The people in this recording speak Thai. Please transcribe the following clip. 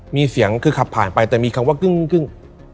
มีเสียงคือขับผ่านไปแต่มีคำว่ากึ้ง